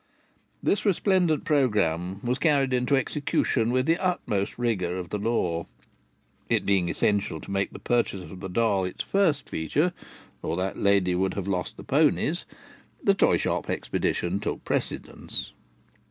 This resplendent programme was carried into execution with the utmost rigour of the law. It being essential to make the purchase of the doll its first feature—or that lady would have lost the ponies—the toy shop expedition took precedence.